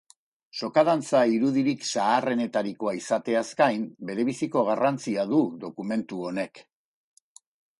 Sokadantza irudirik zaharrenetarikoa izateaz gain, berebiziko garrantzia du dokumentu honek.